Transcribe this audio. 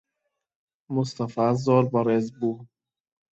موستەفا زۆر بەڕێز بوو.